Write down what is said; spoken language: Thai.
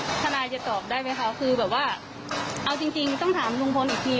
ทนายจะตอบได้ไหมคะคือแบบว่าเอาจริงต้องถามลุงพลอีกที